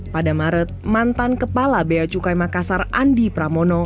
pada maret mantan kepala beacukai makassar andi pramono